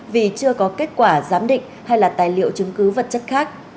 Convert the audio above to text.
vì chưa có kết quả giám định hay là tài liệu chứng cứ vật chất khác